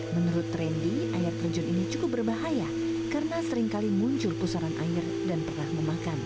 menurut trendy air terjun ini cukup berbahaya karena seringkali muncul pusaran air dan pernah memakan